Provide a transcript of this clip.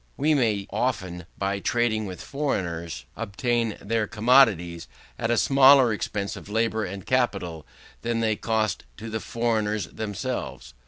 We may often, by trading with foreigners, obtain their commodities at a smaller expense of labour and capital than they cost to the foreigners themselves.